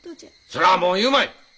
それはもう言うまい！